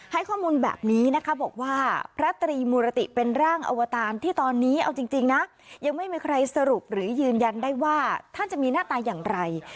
ให้ข้อมูลแบบนี้นะคะบอกว่าพระตรีมุรติเป็นร่างอวตารที่ตอนนี้เอาจริงนะยังไม่มีใครสรุปหรือยืนยันได้ว่าท่านจะมีหน้าตาอย่างไร